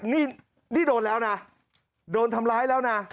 นี่โดนแล้วนะโดนทำร้ายแล้วนะ